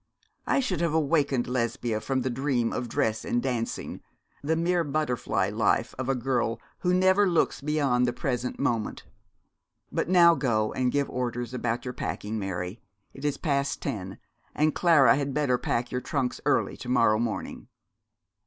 I should have awakened Lesbia from the dream of dress and dancing the mere butterfly life of a girl who never looks beyond the present moment. But now go and give orders about your packing, Mary. It is past ten, and Clara had better pack your trunks early to morrow morning.'